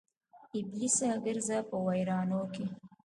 ابلیسه ګرځه په ویرانو کې